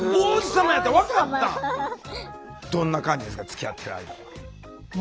つきあってる間は。